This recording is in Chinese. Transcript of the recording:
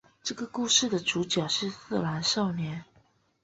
这个故事的主角是四郎少年。